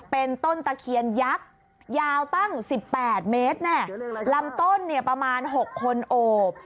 เป็นต้นตะเคียนยักษ์ยาวตั้ง๑๘เมตรลำต้นเนี่ยประมาณ๖คนโอบ